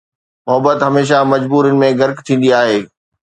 محبت هميشه مجبورين ۾ غرق ٿيندي آهي